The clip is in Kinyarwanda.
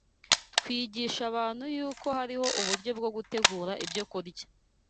twigisha abantu yuko hariho uburyo bwo gutegura ibyokurya